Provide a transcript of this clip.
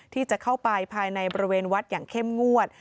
ที่จะเข้าไปภายในบริเวณวัดอย่างเข้มงวด